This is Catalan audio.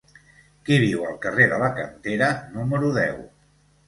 Qui viu al carrer de la Cantera número deu?